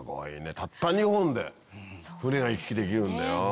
たった２本で船が行き来できるんだよ。